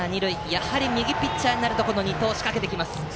やはり右ピッチャーになるとこの二盗を仕掛けてきます。